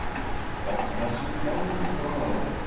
" What has he done to her